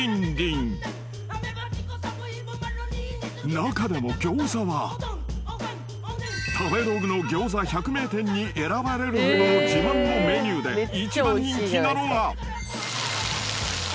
［中でも餃子は食べログの餃子百名店に選ばれるほどの自慢のメニューで一番人気なのは］